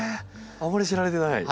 あまり知られてない。